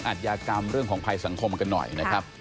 อาทยากรรมเรื่องของภัยสังคมกันหน่อยนะครับ